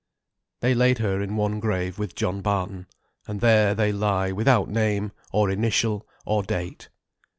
They laid her in one grave with John Barton. And there they lie without name, or initial, or date.